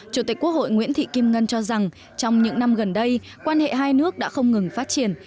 chủ tịch quốc hội nguyễn thị kim ngân cho rằng trong những năm gần đây quan hệ hai nước đã không ngừng phát triển